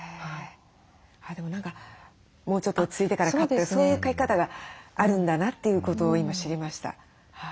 あでも何かもうちょっと落ち着いてから飼ってそういう飼い方があるんだなということを今知りました。